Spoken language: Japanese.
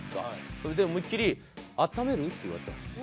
それで思いっきり「あっためる？」って言われたんですよ。